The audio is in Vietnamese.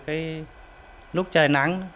cái lúc trời nắng